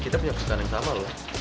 kita punya kesan yang sama loh